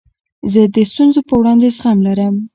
زه د ستونزو په وړاندي زغم لرم.